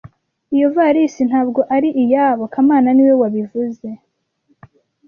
Iyo ivarisi ntabwo ari iyabo kamana niwe wabivuze